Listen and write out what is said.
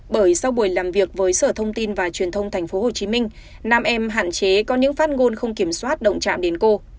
bởi sau buổi làm việc với sở thông tin và truyền thông tp hcm nam em hạn chế có những phát ngôn không kiểm soát động trạm đến cô